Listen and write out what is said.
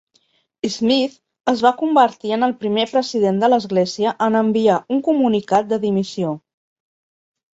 Smith es va convertir en el primer president de l'església en enviar un comunicat de dimissió.